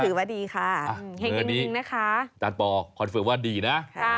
เงินนี้อาจารย์ปอล์คอนเฟิร์นว่าดีนะ